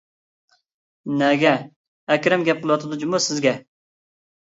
-نەگە؟ ئەكرەم گەپ قىلىۋاتىدۇ جۇمۇ سىزگە.